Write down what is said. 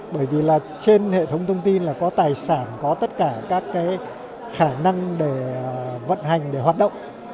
bởi vì là trên hệ thống thông tin là có tài sản có tất cả các khả năng để vận hành để hoạt động